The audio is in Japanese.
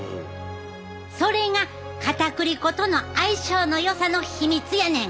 それがかたくり粉との相性のよさの秘密やねん！